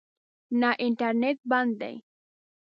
نه، انټرنېټ بند دی